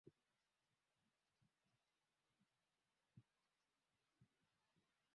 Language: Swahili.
wakatupa mizigo ya majani ya chai kwenye bandari